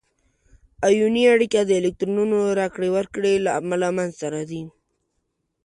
آیوني اړیکه د الکترونونو راکړې ورکړې له امله منځ ته راځي.